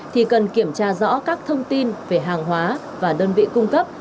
thì cần kiểm tra rõ các thông tin về hàng hóa và đơn vị cung cấp